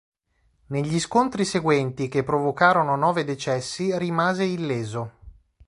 Negli scontri seguenti, che provocarono nove decessi, rimase illeso.